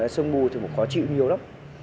sương mù thì cũng khó chịu nhiều lắm